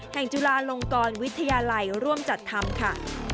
จุฬาลงกรวิทยาลัยร่วมจัดทำค่ะ